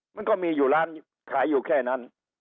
มันก็มีอยู่ร้านขายอยู่แค่นั้น